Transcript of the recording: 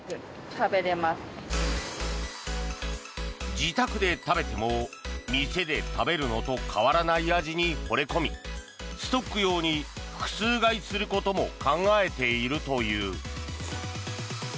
自宅で食べても店で食べるのと変わらない味にほれ込みストック用に複数買いすることも考えているという。